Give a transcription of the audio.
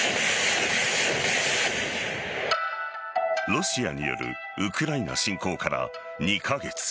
ロシアによるウクライナ侵攻から２カ月。